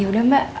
eh ya udah mbak